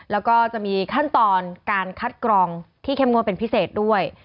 แล้วก็จะมีขั้นตอนการคัดกรองที่เข้มงวดเป็นพิเศษด้วย